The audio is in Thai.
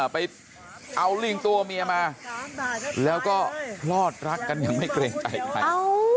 ไปเอาลิงตัวเมียมาแล้วก็พลอดรักกันอย่างไม่เกรงใจใคร